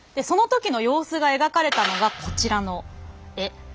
その時の様子が描かれたのがこちらの絵。